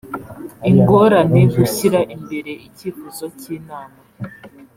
ingorane gushyira imbere icyifuzo cy inama